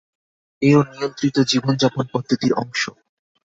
এও নিয়ন্ত্রিত জীবনযাপন পদ্ধতির অংশ।